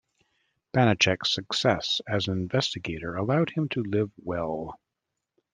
Banacek's success as an investigator allowed him to live well.